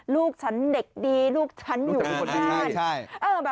สุดยอดดีแล้วล่ะ